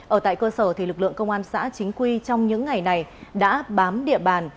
ở tại cơ sở lực lượng công an xã chính quy trong những ngày này đã bám địa bàn